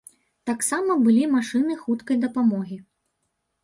Таксама былі машыны хуткай дапамогі.